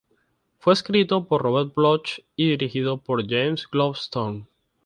Fue escrito por Robert Bloch y dirigido por James Goldstone.